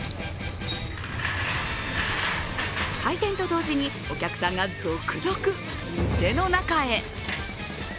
開店と同時にお客さんが続々店の中へ。